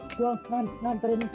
gue nganterin kepadanya